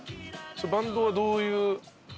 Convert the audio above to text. バンドはどういう？